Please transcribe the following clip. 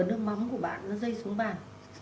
nước mắm của bạn nó dây xuống bàn